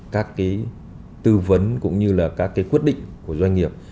các tư vấn cũng như các quyết định của doanh nghiệp